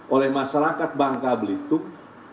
oleh masyarakat bangka belitung